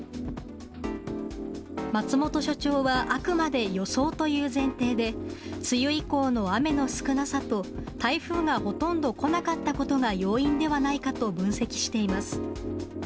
松本所長はあくまで予想という前提で、梅雨以降の雨の少なさと、台風がほとんど来なかったことが要因ではないかと分析しています。